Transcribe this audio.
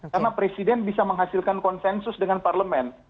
karena presiden bisa menghasilkan konsensus dengan parlement